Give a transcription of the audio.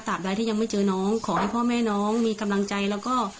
ใดที่ยังไม่เจอน้องขอให้พ่อแม่น้องมีกำลังใจแล้วก็